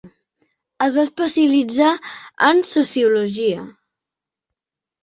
Es va especialitzar en sociologia.